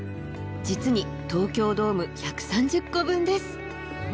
実に東京ドーム１３０個分です。